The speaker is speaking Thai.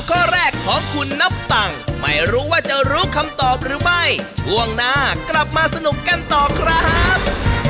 ข้อแรกของคุณนับตังไม่รู้ว่าจะรู้คำตอบหรือไม่ช่วงหน้ากลับมาสนุกกันต่อครับ